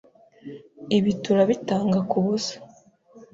Ibi turabitanga kubusa.